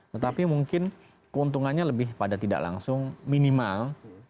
tetapi mungkin keuntungannya lebih pada tidak langsung minimal